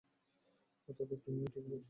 কথা তো তুমি ঠিক বলছো।